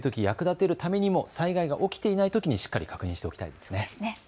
役立てるためにも災害が起きていないときにしっかり確認しておきたいですね。